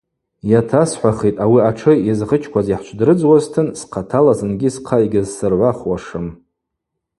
Йатасхӏвахитӏ, ауи атшы йызгъычкваз йхӏчвдрыдзуазтын, схъатала зынгьи схъа йгьзсыргӏвахуашым.